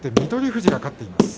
富士が勝っています。